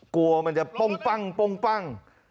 กลัวมันจะป้องปั้ง